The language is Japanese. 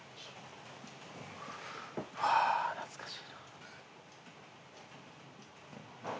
ハァ懐かしいな。